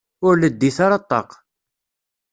Ur leddit ara ṭṭaq.